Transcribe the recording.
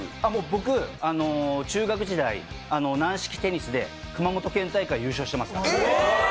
僕、中学時代、軟式テニスで熊本県大会、優勝してます。